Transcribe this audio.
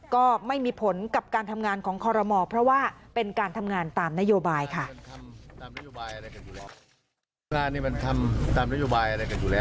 ก็ไม่มีผลกับการทำงานของคอรมอเพราะว่าเป็นการทำงานตามนโยบายค่ะ